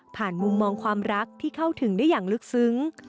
มุมมองความรักที่เข้าถึงได้อย่างลึกซึ้ง